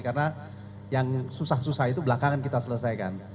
karena yang susah susah itu belakangan kita selesaikan